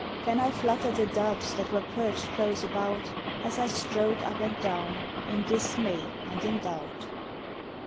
Then I fluttered the doves that were perched close about, As I strode up and down in dismay and in doubt.